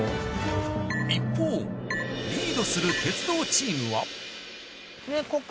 一方リードする鉄道チームは。